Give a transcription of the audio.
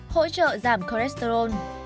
hỗ trợ giảm cholesterol